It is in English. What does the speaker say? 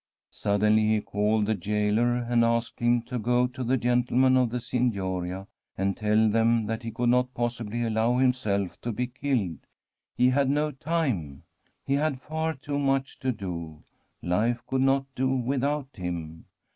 Suddenly he called the gaoler, and asked him to go to the gentlemen of the Signoria and tell them that he could not possibly allow himself to [263J From a SfFEDISH HOMESTEAD be killed ; he had no time. He had far too much to do. Life could not do without him.